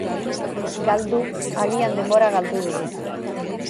Galdu, agian denbora galdu dugu.